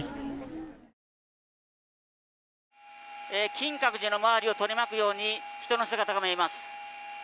金閣寺の周りを取り巻くように人の姿が見えます。